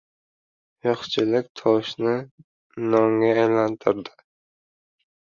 • Yo‘qchilik toshni nonga aylantiradi.